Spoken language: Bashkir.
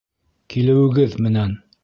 Килеүегеҙ менән!